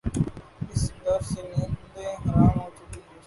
اس ڈر سے نیندیں حرام ہو چلی ہیں۔